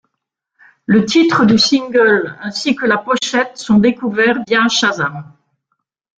Le titre du single ainsi que la pochette sont découverts via Shazam.